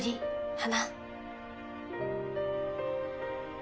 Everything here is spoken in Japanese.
花！！